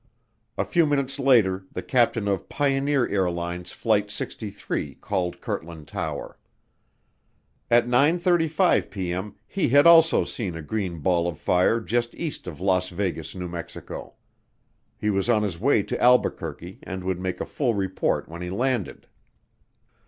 A few minutes later the captain of Pioneer Airlines Flight 63 called Kirtland Tower. At 9:35P.M. he had also seen a green ball of fire just east of Las Vegas, New Mexico. He was on his way to Albuquerque and would make a full report when he landed.